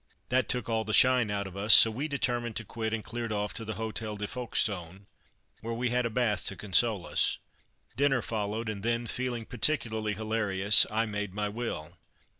That took all the shine out of us, so we determined to quit, and cleared off to the Hotel de Folkestone, where we had a bath to console us. Dinner followed, and then, feeling particularly hilarious, I made my will.